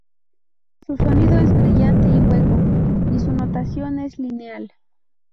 Su sonido es brillante y hueco, y su notación es lineal.